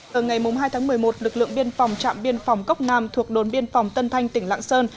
vào ngày hai tháng một mươi một lực lượng biên phòng trạm biên phòng cốc nam thuộc đồn biên phòng tân thanh tỉnh lạng sơn